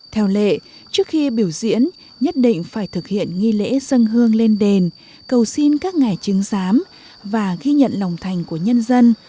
theo lệ trước khi biểu diễn nhất định phải thực hiện nghi lễ dân hương lên đền cầu xin các ngài chứng giám và ghi nhận lòng thành của nhân dân